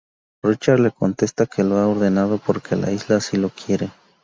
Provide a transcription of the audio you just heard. Richard le contesta que lo ha ordenado, porque la isla así lo quiere.